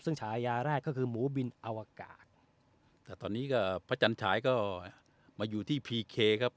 ซึ่งฉายาแรกก็คือหมูบินอวกาศแต่ตอนนี้ก็พระจันฉายก็มาอยู่ที่พีเคครับ